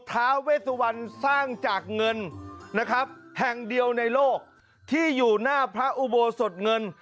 ท้าเวสวันสร้างจากเงินนะครับแห่งเดียวในโลกที่อยู่หน้าพระอุโบสถเงิน